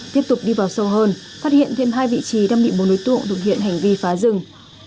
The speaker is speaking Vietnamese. tiếp tục đi vào sâu hơn phát hiện thêm hai vị trí đam mị bốn đối tượng thực hiện hành vi phá rừng